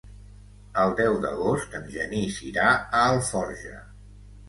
El deu d'agost en Genís irà a Alforja.